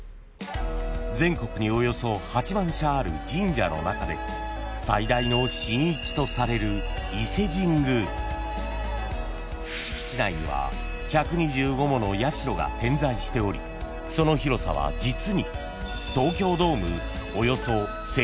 ［全国におよそ８万社ある神社の中で最大の神域とされる伊勢神宮］［敷地内には１２５もの社が点在しておりその広さは実に］